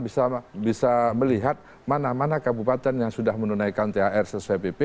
bisa melihat mana mana kabupaten yang sudah menunaikan thr sesuai pp